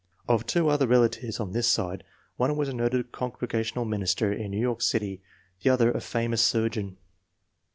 Of two other relatives on this side, one was a noted Congregational minister in New York City, the other a famous surgeon.